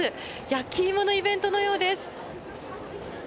焼き芋のイベントのようです。